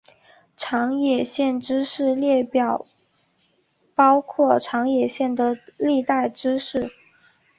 长野县知事列表包括长野县的历代知事。